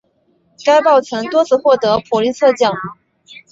该报曾多次获得普利策奖。